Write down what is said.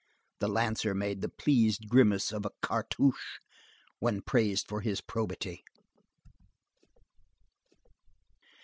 The lancer made the pleased grimace of Cartouche when praised for his probity.